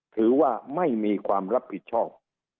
ถือว่าไม่มีความรับผิดชอบ